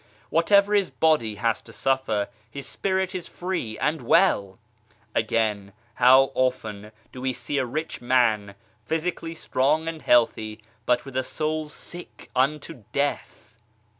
Whatever his body has to suffer, his spirit is free and well ! Again, how often do we see a rich man, physically strong and healthy, but with a soul sick unto death.